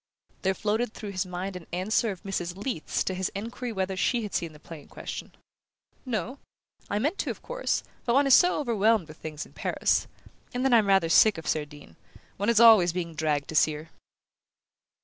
There floated through his mind an answer of Mrs. Leath's to his enquiry whether she had seen the play in question. "No. I meant to, of course, but one is so overwhelmed with things in Paris. And then I'm rather sick of Cerdine one is always being dragged to see her."